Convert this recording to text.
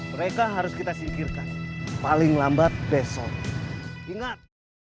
mereka harus kita singkirkan paling lambat besok ingat